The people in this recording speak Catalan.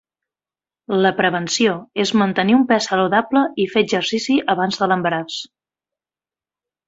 La prevenció és mantenir un pes saludable i fer exercici abans de l'embaràs.